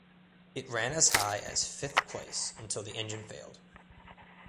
It ran as high as fifth place until the engine failed.